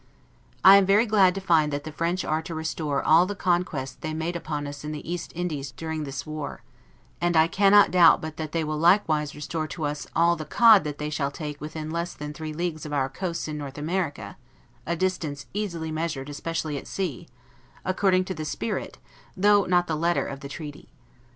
I am very glad to find that the French are to restore all the conquests they made upon us in the East Indies during this war; and I cannot doubt but they will likewise restore to us all the cod that they shall take within less than three leagues of our coasts in North America (a distance easily measured, especially at sea), according to the spirit, though not the letter of the treaty.